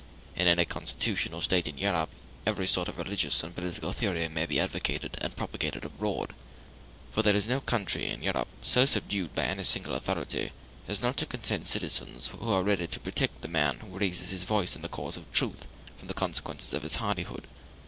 In any constitutional state in Europe every sort of religious and political theory may be advocated and propagated abroad; for there is no country in Europe so subdued by any single authority as not to contain citizens who are ready to protect the man who raises his voice in the cause of truth from the consequences of his hardihood.